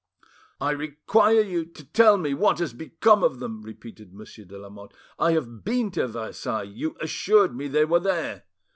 "I require: you to tell me what has become of them," repeated Monsieur de Lamotte. "I have been to Versailles, you assured me they were there."